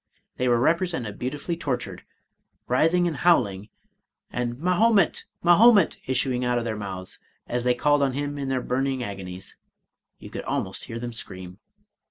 They were represented beautifully tor tured, writhing and howling, and " Mahomet ! Mahomet !" issuing out of their mouths, as they called on him in their burning agonies ;— ^you could almost hear them scream.